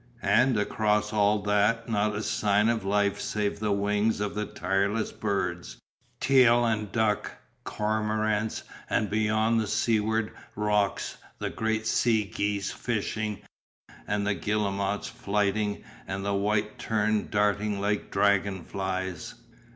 And across all that not a sign of life save the wings of the tireless birds, teal and duck, cormorants, and beyond the seaward rocks the great sea geese fishing and the guillemots flighting and the white tern darting like dragon flies.